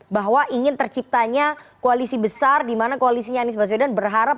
bahwa ingin terciptanya koalisi besar di mana koalisinya anies baswedan berharap